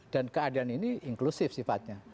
dan keadaan ini inklusif sifatnya